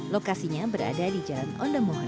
lokasinya berada di jalan ondemongan